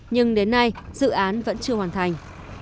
nhưng đến nay dự án vẫn chưa hoàn thành